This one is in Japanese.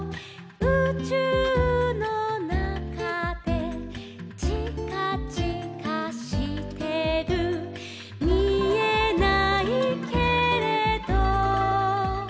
「うちゅうのなかで」「ちかちかしてる」「みえないけれど」